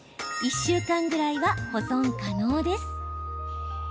１週間ぐらいは保存可能です。